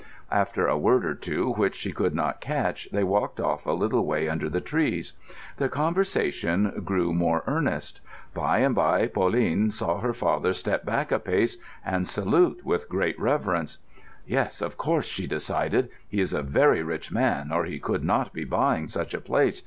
After a word or two which she could not catch, they walked off a little way under the trees. Their conversation grew more earnest. By and by Pauline saw her father step back a pace and salute with great reverence. ("Yes, of course," she decided. "He is a very rich man, or he could not be buying such a place.